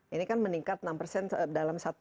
ini kan meningkat enam persen dalam satu